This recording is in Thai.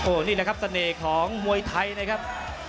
นี่นะครับเสน่ห์ของมวยไทยนะครับ